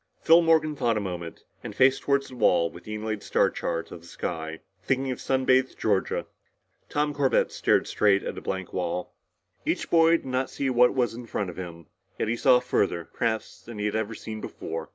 Phil Morgan thought a moment, and faced toward the wall with the inlaid star chart of the sky, thinking of sun bathed Georgia. Tom Corbett stared straight at a blank wall. Each boy did not see what was in front of him yet he saw further, perhaps, than he had ever seen before.